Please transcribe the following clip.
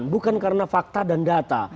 bukan karena fakta dan data